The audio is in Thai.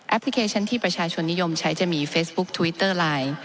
พลิเคชันที่ประชาชนนิยมใช้จะมีเฟซบุ๊คทวิตเตอร์ไลน์